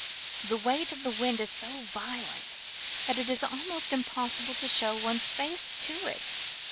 The weight of the wind is so violent that it is almost impossible to show one's face to it.